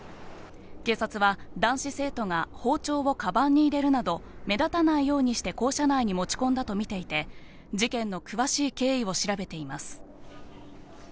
警察は男子生徒が包丁をかばんに入れるなど目立たないようにして校舎内に持ち込んだと見ていて、事件の詳しい経緯を調べています。